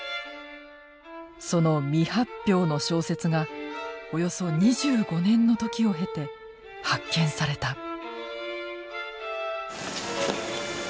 その未発表の小説がおよそ２５年の時を経て発見された。